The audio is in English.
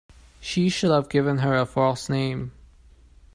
She should have given her a false name.